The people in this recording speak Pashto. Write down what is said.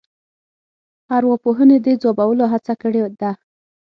ارواپوهنې د ځوابولو هڅه کړې ده.